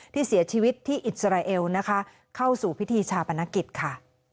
ที่เสียชีวิตที่อิสราเอลนะคะเข้าสู่พิธีชาปนกิจค่ะ